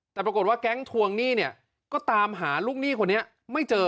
แต่ปรากฏว่าแก๊งทวงหนี้เนี่ยก็ตามหาลูกหนี้คนนี้ไม่เจอ